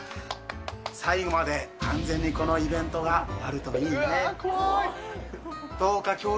最後まで安全にこのイベントが終わるといいね。